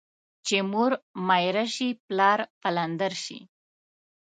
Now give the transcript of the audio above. چي مور ميره سي ، پلار پلندر سي.